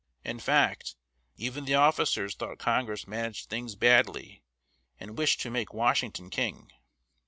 In fact, even the officers thought Congress managed things badly, and wished to make Washington king.